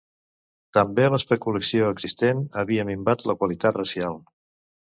També l'especulació existent havia minvat la qualitat racial.